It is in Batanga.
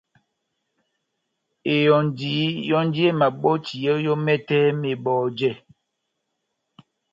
Ehɔndi yɔ́ndi emabɔtiyɛ yɔ́ mɛtɛ mɛtɛ mebɔjɛ